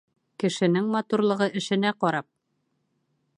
Кешенең матурлығы эшенә ҡарап.